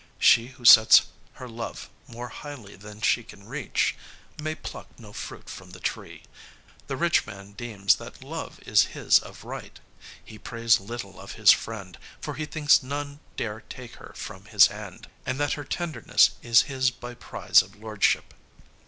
She who sets her love more highly than she can reach, may pluck no fruit from the tree. The rich man deems that love is his of right. He prays little of his friend, for he thinks none dare take her from his hand, and that her tenderness is his by prize of lordship."